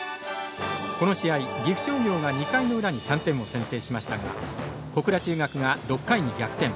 この試合、岐阜商業が２回の裏に３点を先制しましたが小倉中学が６回に逆転。